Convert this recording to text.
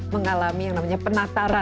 mengalami yang namanya penataran